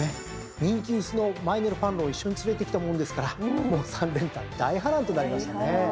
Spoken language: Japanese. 人気薄のマイネルファンロンを一緒に連れてきたものですから３連単大波乱となりましたね。